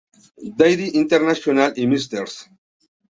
Daddy Internacional y Mr.